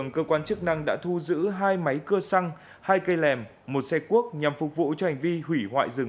cơ quan chức năng đã thu giữ hai máy cơ xăng hai cây lèm một xe cuốc nhằm phục vụ cho hành vi hủy hoại rừng